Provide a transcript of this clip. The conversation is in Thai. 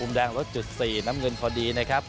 แดงลดจุด๔น้ำเงินพอดีนะครับ